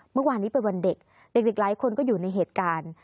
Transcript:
เมื่อวานนี้เป็นวันเด็กเด็กหลายคนก็อยู่ในเหตุการณ์